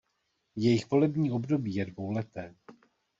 Jejich volební období je dvouleté.